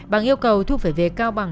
bằng yêu cầu thu phải về cao bằng